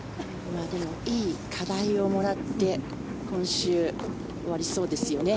でも、いい課題をもらって今週終わりそうですよね。